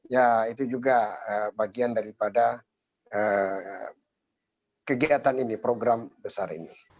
ya itu juga bagian daripada kegiatan ini program besar ini